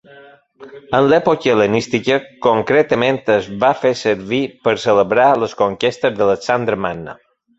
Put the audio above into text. En l'època hel·lenística, concretament es va fer servir per celebrar les conquestes d'Alexandre Magne.